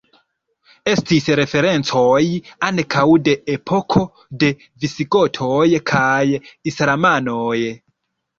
Estis referencoj ankaŭ de epoko de visigotoj kaj islamanoj.